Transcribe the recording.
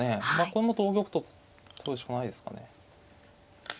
これも同玉と取るしかないですかね。